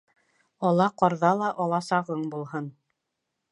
Ала ҡарҙа ла аласағың булһын.